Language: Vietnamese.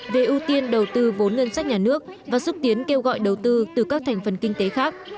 về ưu tiên đầu tư vốn ngân sách nhà nước và xúc tiến kêu gọi đầu tư từ các thành phần kinh tế khác